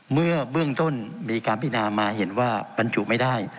เมื่อเบื้องต้นมีการพินามาเห็นว่าบรรจุไม่ได้